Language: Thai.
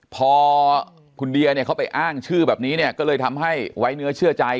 พอคุณเดียเนี่ยเขาไปอ้างชื่อแบบนี้เนี่ยก็เลยทำให้ไว้เนื้อเชื่อใจ